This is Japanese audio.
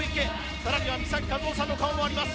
更には三崎和雄さんの顔もあります。